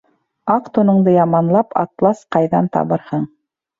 Аҡ туныңды яманлап, атлас ҡайҙан табырһың